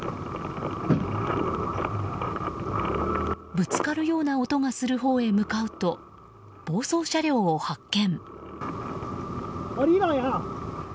ぶつかるような音がするほうへ向かうと暴走車両を発見。